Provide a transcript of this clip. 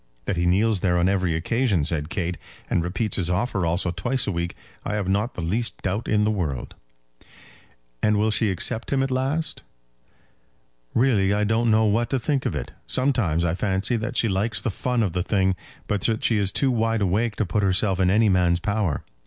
"That he kneels there on every occasion," said Kate, "and repeats his offer also twice a week, I have not the least doubt in the world." "And will she accept him at last?" "Really I don't know what to think of it. Sometimes I fancy that she likes the fun of the thing, but that she is too wide awake to put herself in any man's power.